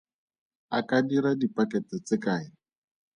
A ka dira dipakete tse kae?